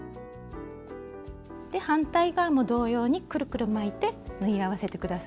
反対側も同様にくるくる巻いて縫い合わせて下さいね。